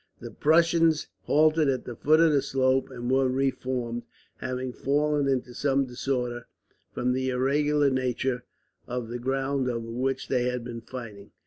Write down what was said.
The Prussians halted at the foot of the slope and were reformed; having fallen into some disorder, from the irregular nature of the ground over which they had been fighting.